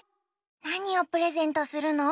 なにをプレゼントするの？